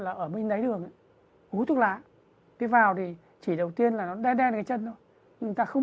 là ở bên đáy đường hú thuốc lá cái vào thì chỉ đầu tiên là nó đen đen cái chân thôi người ta không